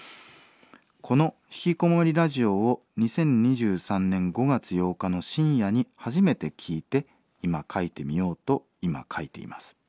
「この『ひきこもりラジオ』を２０２３年５月８日の深夜に初めて聴いて今書いてみようと今書いています。